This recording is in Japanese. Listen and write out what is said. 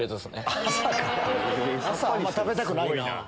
朝あんま食べたくないなぁ。